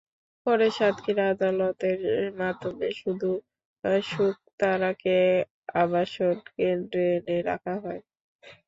পরে সাতক্ষীরা আদালতের মাধ্যমে শুধু শুকতারাকে আবাসন কেন্দ্রে এনে রাখা হয়।